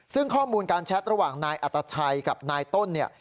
ซึ่งข้อมูลการแชทระหว่างนายอัตชัยกับนายต้นเนี่ย